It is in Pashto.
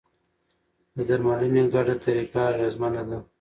د درملنې ګډه طریقه اغېزمنه ده.